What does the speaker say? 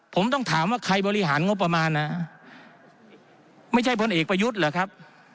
ผมต้องถามว่าใครบริหารงบประมาณนะไม่ใช่พลเอกประยุทธ์เหรอครับ